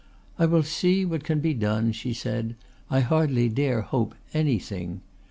"I will see what can be done," she said; "I hardly dare hope anything.